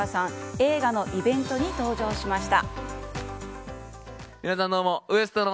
映画のイベントに登場しました。